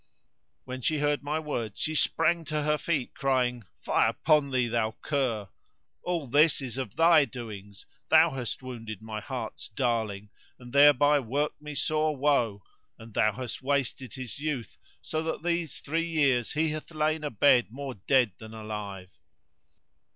When she heard my words she sprang to her feet crying.—Fie upon thee, thou cur! all this is of thy doings; thou hast wounded my heart s darling and thereby worked me sore woe and thou hast wasted his youth so that these three years he hath lain abed more dead than alive!